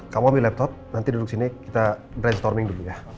kamu ambil laptop nanti duduk sini kita brand starning dulu ya